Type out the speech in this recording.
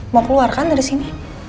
mau keluar kan dari sini